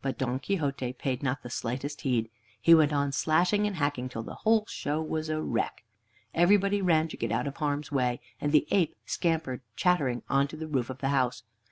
But Don Quixote paid not the slightest heed. He went on slashing and hacking till the whole show was a wreck. Everybody ran to get out of harm's way, and the ape scampered, chattering, on to the roof of the house.